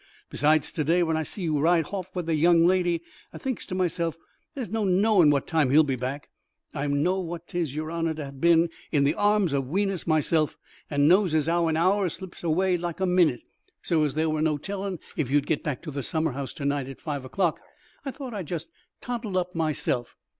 Besides, to day when I see you ride hoff with the young lady, I thinks to myself, 'There's no knowin' what time he'll be back.' I know what 'tis, yer honour; hi've bin in the arms o' Wenus myself, and knows as 'ow a hour slips away like a minnit. So as there wur no tellin' if you would get to the summer house to night at five o'clock, I thought I'd just toddle up myself.